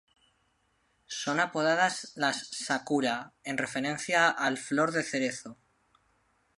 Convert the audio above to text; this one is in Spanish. Son apodadas las "Sakura", en referencia al flor de cerezo.